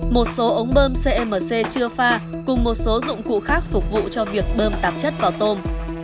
một số ống bơm cmc chưa pha cùng một số dụng cụ khác phục vụ cho việc bơm tạp chất vào tôm